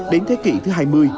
đến thế kỷ thứ hai mươi